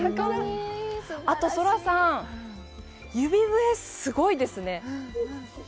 あとソラさん、指笛すごいですね。